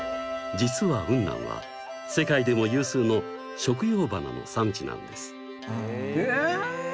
実は雲南は世界でも有数の食用花の産地なんです。